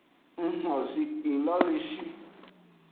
Ng xo zinkpin lo le shi.